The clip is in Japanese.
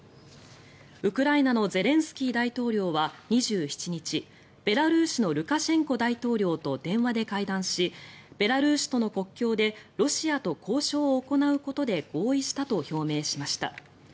ウクライナのゼレンスキー大統領は２７日ベラルーシのルカシェンコ大統領と電話で会談しベラルーシとの国境でロシアと交渉を行うことで合意したと表明しました。